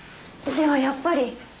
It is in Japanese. ではやっぱり。